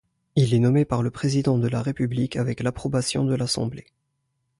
Il est nommé par le président de la République avec l'approbation de l'Assemblée.